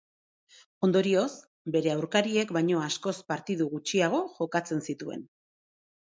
Ondorioz, bere aurkariek baino askoz partidu gutxiago jokatzen zituen.